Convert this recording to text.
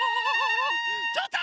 ちょっと！